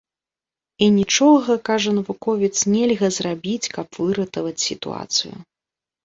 І нічога, кажа навуковец, нельга зрабіць, каб выратаваць сітуацыю.